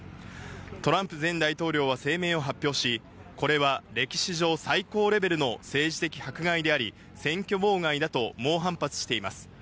トランプ前大統領は声明を発表し、これは歴史上最高レベルの政治的迫害であり、選挙妨害だと猛反発しています。